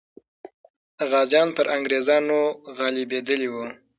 غازیان پر انګریزانو غالبېدلې وو.